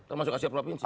termasuk hasil provinsi